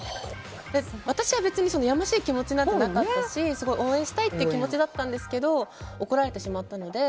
私は別にやましい気持ちなんてなかったしすごく応援したいって気持ちだったんですけど怒られてしまったので。